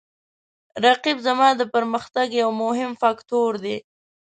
رقیب زما د پرمختګ یو مهم فکتور دی